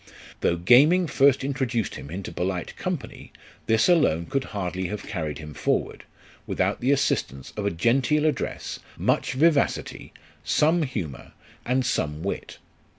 Though gaming first introduced him into polite company, this alone could hardly have carried him forward, without the assistance of a genteel F2 68 ' LIFE OF RICHARD NASH. address, much vivacity, some humour, and some wit.